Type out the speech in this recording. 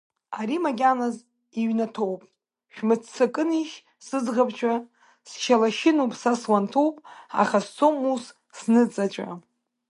Ари макьаназ иҩнаҭоуп Шәмыццакынишь, сыӡӷабцәа, Сшьалашьынуп, са суанҭоуп, Аха сцом ус сныҵаҵәа.